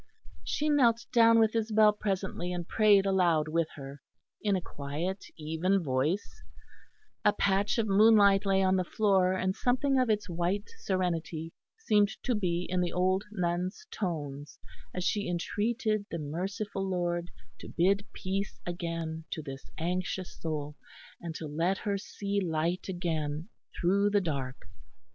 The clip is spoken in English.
She knelt down with Isabel presently and prayed aloud with her, in a quiet even voice; a patch of moonlight lay on the floor, and something of its white serenity seemed to be in the old nun's tones as she entreated the merciful Lord to bid peace again to this anxious soul, and let her see light again through the dark.